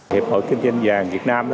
hiệp hội kinh doanh vàng việt nam